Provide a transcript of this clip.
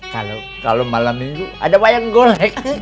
kalau malam minggu ada wayang golek